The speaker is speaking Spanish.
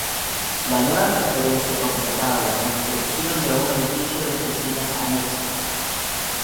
La nueva preferencia contemplaba la construcción de un edificio de oficinas anexo.